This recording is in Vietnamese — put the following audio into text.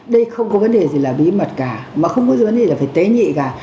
đây không có vấn đề gì là bí mật cả mà không có vấn đề là phải tế nhị cả